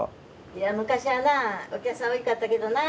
いや昔はなあお客さん多いかったけどな。